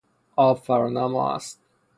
آب فرانما است.